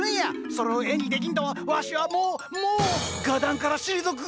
それを絵にできんとはわしはもうもう画壇から退く！